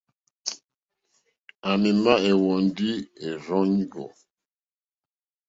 À mì má ɛ̀hwɔ̀ndí ɛ́rzɔ́ŋɔ́.